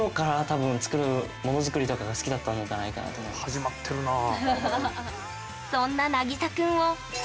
始まってるなあ。